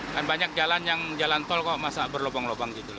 kan banyak jalan yang jalan tol kok masa berlopang lopang gitu